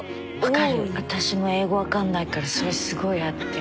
わかる私も英語わかんないからそれすごいあって。